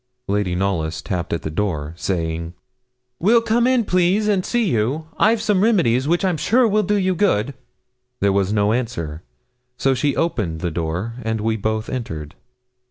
Lady Knollys tapped at the door, saying 'we'll come in, please, and see you. I've some remedies, which I'm sure will do you good.' There was no answer; so she opened the door, and we both entered.